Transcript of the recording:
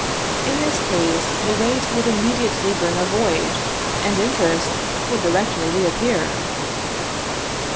In this case, the waste would immediately bring a void, and interest would directly reappear.